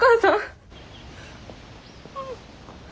うん。